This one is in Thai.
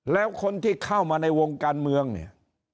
แล้วคนที่เข้ามาในวงการเมืองเนี่ย